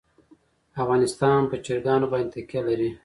افغانستان په چرګان باندې تکیه لري.